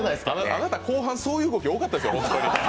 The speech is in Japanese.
あなた、後半、そういう動き多かったですよ。